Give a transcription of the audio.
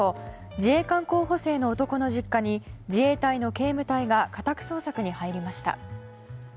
自衛官候補生の男の実家に自衛隊の警務隊が家宅捜索に入りました。